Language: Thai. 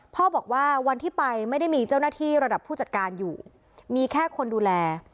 พ่อบอกว่าวันที่ไปไม่ได้มีเจ้าหน้าที่ระดับผู้จัดการอยู่มีแค่คนดูแล